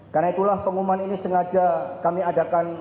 karena itulah pengumuman ini sengaja kami adakan